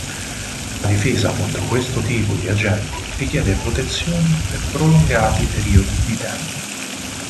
La difesa contro questo tipo di agenti richiede protezioni per prolungati periodi di tempo.